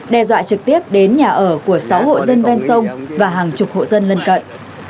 đe dọa trực tiếp đến nhà ở của sáu hộ dân ven sông và hàng chục hộ dân lân cận